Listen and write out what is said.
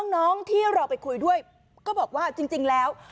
น้องที่เราไปคุยด้วยก็บอกว่าจริงแล้ว